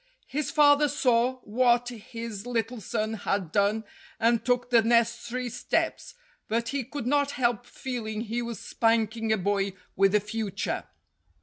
His father saw what his little son had done and took the necessary steps, but he could not help feeling he was spanking a boy with a future.